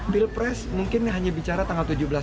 pilpres mungkin hanya bicara tanggat ujungnya